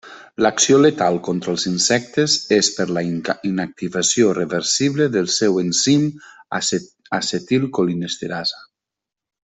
L'acció letal contra els insectes és per la inactivació reversible del seu enzim acetilcolinesterasa.